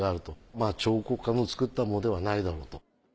まあ彫刻家の作ったものではないだろうと。